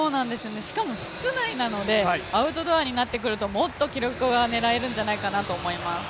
しかも室内なのでアウトドアになってくるともっと記録が狙えるのではないかと思います。